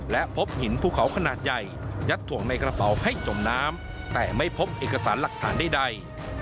และพบหินภูเขาขนาดใหญ่ยัดถ่วงในกระเป๋าให้จมน้ำแต่ไม่พบเอกสารหลักฐานใด